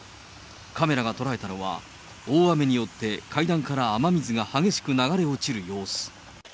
カメラが捉えたのは、大雨によって階段から雨水が激しく流れ落ちる様子。